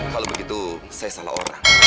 kalau begitu saya salah orang